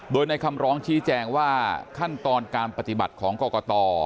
โดยในคำร้องชี้แจงว่าขั้นตอนการปฏิบัติของกรกต